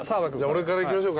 俺からいきましょうか。